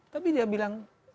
tapi dia bilang